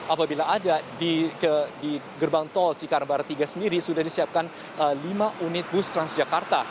apabila ada di gerbang tol cikarang barat tiga sendiri sudah disiapkan lima unit bus transjakarta